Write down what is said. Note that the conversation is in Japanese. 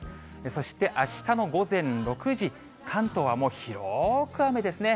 そしてあしたの午前６時、関東はもう広く雨ですね。